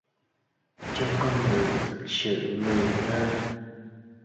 Cho con người thực sự Người hơn.